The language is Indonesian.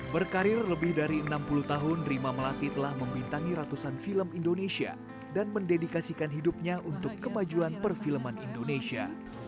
berkarir lebih dari enam puluh tahun rima melati telah membintangi ratusan film indonesia dan mendedikasikan hidupnya untuk kemajuan perfilman indonesia